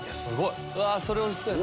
それおいしそうやな。